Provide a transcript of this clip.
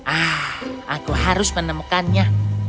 ah aku harus menemukannya